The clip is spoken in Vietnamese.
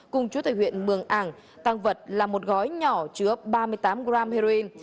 cùng chú tại huyện mường ảng thăng vật là một gói nhỏ chứa ba mươi tám g heroin